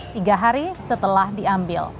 tiga hari setelah diambil